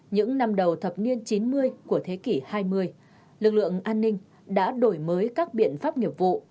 những năm đầu thập niên chín mươi của thế kỷ hai mươi lực lượng an ninh đã đổi mới các biện pháp nghiệp vụ